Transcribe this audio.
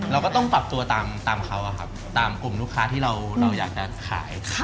เราก็ต้องปรับตัวตามเขาตามกลุ่มลูกค้าที่เราอยากจะขาย